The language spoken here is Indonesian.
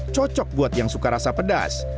cocok buat yang suka rasa pedas